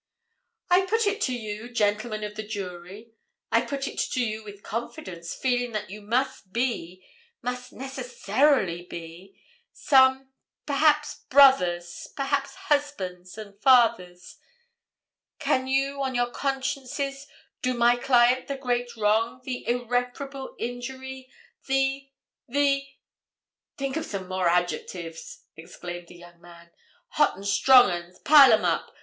"I put it to you, gentlemen of the jury—I put it to you with confidence, feeling that you must be, must necessarily be, some, perhaps brothers, perhaps husbands, and fathers, can you, on your consciences do my client the great wrong, the irreparable injury, the—the—" "Think of some more adjectives!" exclaimed the young man. "Hot and strong 'uns—pile 'em up.